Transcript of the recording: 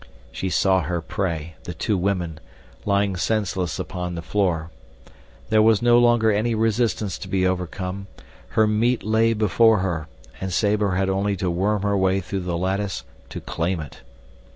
She saw her prey—the two women—lying senseless upon the floor. There was no longer any resistance to be overcome. Her meat lay before her, and Sabor had only to worm her way through the lattice to claim it.